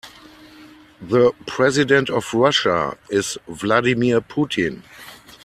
The president of Russia is Vladimir Putin.